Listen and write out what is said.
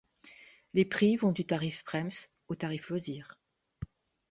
Les prix vont du tarif Prem's au Tarif Loisir.